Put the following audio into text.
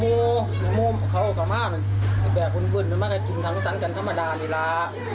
มุมเขาออกมากนึงแต่คุณบึ่นมันก็กินทั้งสักกันธรรมดาเมลา